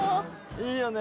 いいよね。